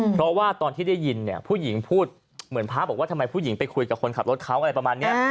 เพราะว่าตอนที่ได้ยินเนี่ยผู้หญิงพูดเหมือนพระบอกว่าทำไมผู้หญิงไปคุยกับคนขับรถเขาอะไรประมาณนี้